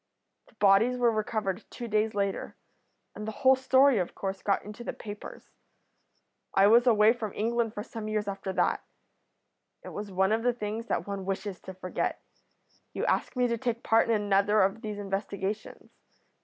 "The bodies were recovered two days later, and the whole story of course got into the papers. I was away from England for some years after that. It was one of the things that one wishes to forget. You ask me to take part in another of these investigations.